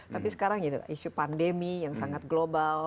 tapi sekarang isu pandemi yang sangat global